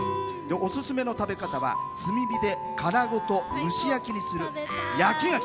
オススメの食べ方は炭火で殻ごと蒸し焼きにする焼きがき。